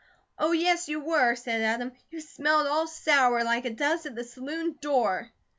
"Oh, yes, you were," said Adam. "You smelled all sour, like it does at the saloon door!"